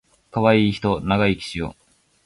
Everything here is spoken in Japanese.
かわいいひと長生きしよ